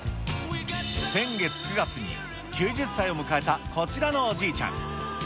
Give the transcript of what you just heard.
先月９月に９０歳を迎えたこちらのおじいちゃん。